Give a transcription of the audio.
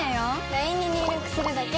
ＬＩＮＥに入力するだけ。